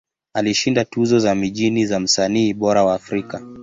Alishinda tuzo za mijini za Msanii Bora wa Afrika.